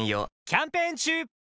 キャンペーン中！